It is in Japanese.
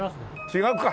違うか。